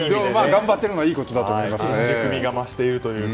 頑張っているのはいいことだと思います。